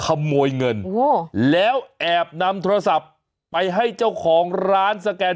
ขโมยเงินแล้วแอบนำโทรศัพท์ไปให้เจ้าของร้านสแกน